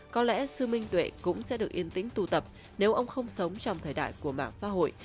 có lẽ sư minh tuệ cũng sẽ được yên tĩnh tụ tập nếu ông không sống trong thời đại của mạng xã hội